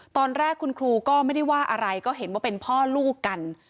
ตอนแรกคุณครูก็ไม่ได้ว่าอะไรก็เห็นว่าเป็นพ่อลูกกัน